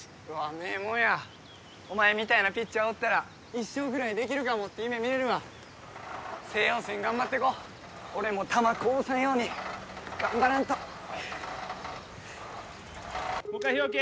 名門やお前みたいなピッチャーおったら１勝ぐらいできるかもって夢見れるわ星葉戦頑張っていこう俺も球こぼさんように頑張らんともっかい日沖！